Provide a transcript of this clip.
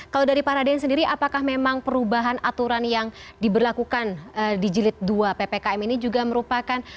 kalau dari pak raden sendiri apakah memang perubahan aturan yang diberlakukan di jilid dua ppkm ini juga merupakan